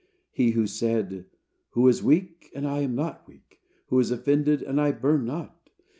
He who said, "Who is weak and I am not weak? Who is offended and I burn not?"